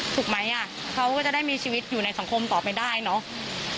ถูกไหมอ่ะเขาก็จะได้มีชีวิตอยู่ในสังคมต่อไปได้เนาะ